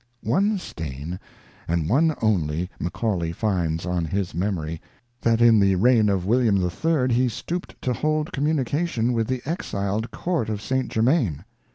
One stain, and one only, Macaulay finds on his memory, that in the reign of William III he stooped to hold com munication with the exiled Court of St. Germain.